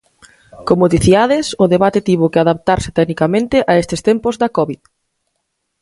Como diciades, o debate tivo que adaptarse tecnicamente a estes tempos da covid.